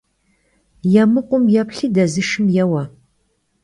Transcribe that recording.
Yêmıkhum yêplhi dezışşım yêue.